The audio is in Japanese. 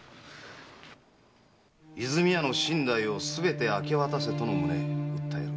「和泉屋の身代をすべて明け渡せとの旨訴える」